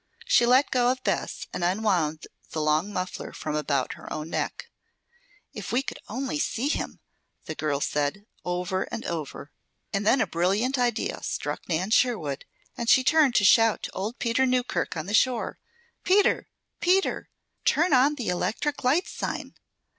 She let go of Bess and unwound the long muffler from about her own neck. "If we could only see him!" the girl said, over and over. And then a brilliant idea struck Nan Sherwood, and she turned to shout to old Peter Newkirk on the shore. "Peter! Peter! Turn on the electric light sign!